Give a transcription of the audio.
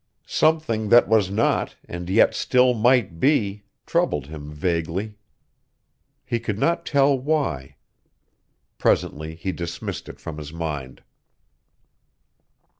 Something that was not and yet still might be troubled him vaguely. He could not tell why. Presently he dismissed it from his mind.